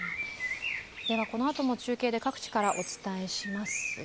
このあとも中継で各地からお伝えします。